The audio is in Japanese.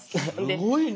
すごいな！